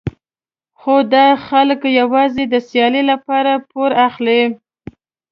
خو دا خلک یوازې د سیالۍ لپاره پور اخلي.